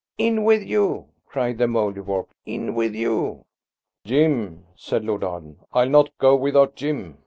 "In with you!" cried the Mouldiwarp; "in with you!" "Jim!" said Lord Arden. "I'll not go without Jim!"